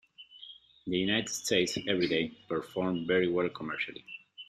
In the United States, "Everyday" performed very well commercially.